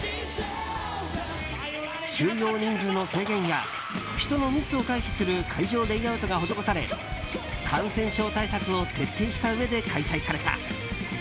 収容人数の制限や人の密を回避する会場レイアウトが施され感染症対策を徹底したうえで開催された。